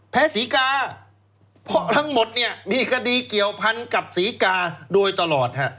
แพ้ศรีกาเพราะทั้งหมดมีคดีเกี่ยวพันธ์กับศรีกาโดยตลอด